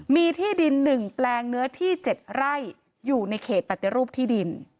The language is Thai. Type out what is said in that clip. มีที่ดิน๑แปลงเนื้อที่๗ไร่อยู่ในเขตปฏิรูปที่ดิน